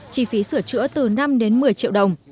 chi phí sửa chữa từ năm đến một mươi triệu đồng